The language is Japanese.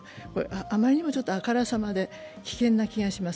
あまりにもあからさまで危険な気がします。